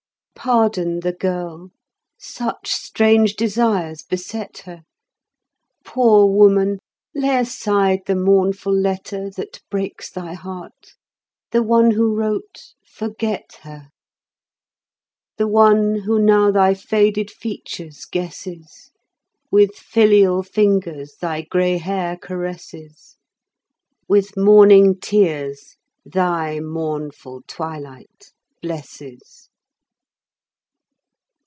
Pardon the girl; such strange desires beset her. Poor woman, lay aside the mournful letter That breaks thy heart; the one who wrote, forget her: The one who now thy faded features guesses, With filial fingers thy gray hair caresses, With morning tears thy mournful twilight blesses.